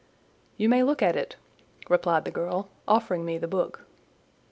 "You may look at it," replied the girl, offering me the book.